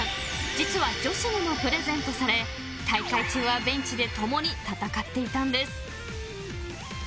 実は、女子にもプレゼントされ大会中はベンチで共に戦っていたんです。